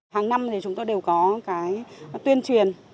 hàng năm thì chúng tôi đều có cái tuyên truyền